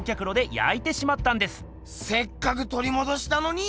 せっかく取り戻したのに？